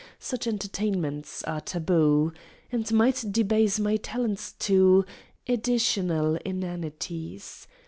Such entertainments are taboo, And might debase my talents to Additional inanities.